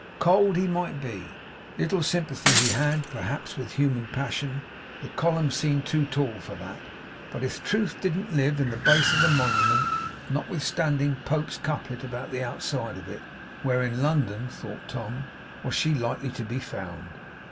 Cold, he might be; little sympathy he had, perhaps, with human passion the column seemed too tall for that; but if Truth didn't live in the base of the Monument, notwithstanding Pope's couplet about the outside of it, where in London (thought Tom) was she likely to be found!